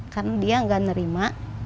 karena dia nggak nerima